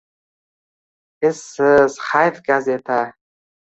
Esiz, hayf gazeta